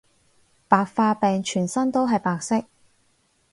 白化病全身都係白色